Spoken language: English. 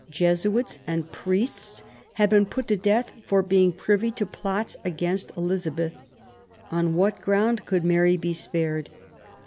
Jesuits and priests had been put to death for being privy to plots against the Queen : on what ground could Mary be spared